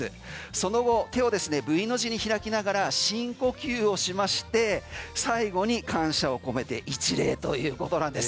その後、手をＶの字に開きながら深呼吸をしまして最後に感謝を込めて一礼ということなんです。